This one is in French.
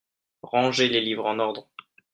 Rangez les livres en ordre.